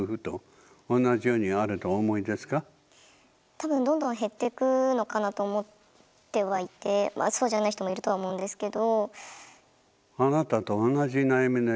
多分どんどん減ってくのかなと思ってはいてそうじゃない人もいるとは思うんですけど。